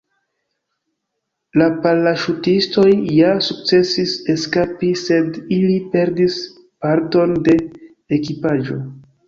La paraŝutistoj ja sukcesis eskapi, sed ili perdis parton de ekipaĵo.